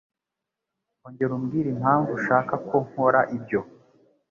Ongera umbwire impamvu ushaka ko nkora ibyo.